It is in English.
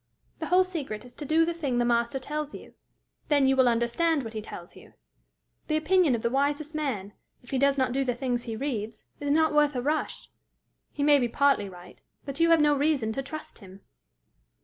The whole secret is to do the thing the Master tells you: then you will understand what he tells you. The opinion of the wisest man, if he does not do the things he reads, is not worth a rush. He may be partly right, but you have no reason to trust him."